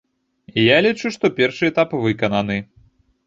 Я лічу, што першы этап выкананы.